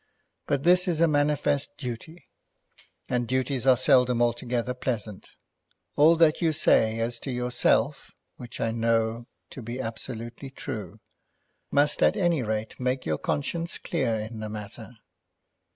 But this is a manifest duty, and duties are seldom altogether pleasant. All that you say as to yourself, which I know to be absolutely true, must at any rate make your conscience clear in the matter.